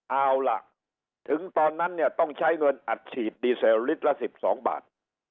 เอาล่ะถึงตอนนั้นเนี่ยต้องใช้เงินอัดฉีดดีเซลลิตรละ๑๒บาท